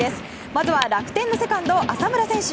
まずは楽天のセカンド浅村選手。